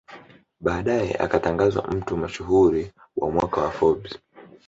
Baadae akatangazwa mtu mashuhuri wa mwaka wa Forbes